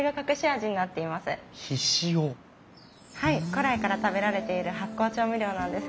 古来から食べられている発酵調味料なんです。